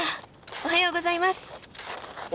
おはようございます！